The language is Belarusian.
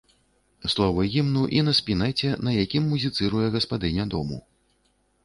Словы гімну і на спінэце, на якім музіцыруе гаспадыня дому.